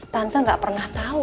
tante gak pernah tau